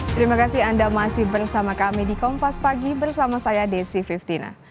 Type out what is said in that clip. terima kasih anda masih bersama kami di kompas pagi bersama saya desi fiftina